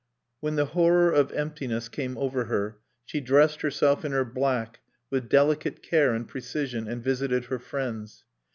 When the horror of emptiness came over her, she dressed herself in her black, with delicate care and precision, and visited her friends.